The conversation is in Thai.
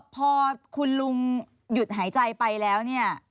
พอคุณลุงหยุดหายใจไปแล้วเนี่ย